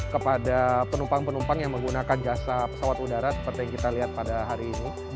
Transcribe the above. kepada penumpang penumpang yang menggunakan jasa pesawat udara seperti yang kita lihat pada hari ini